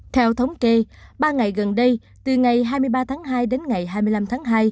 theo thống kê ba ngày gần đây từ ngày hai mươi ba tháng hai đến ngày hai mươi năm tháng hai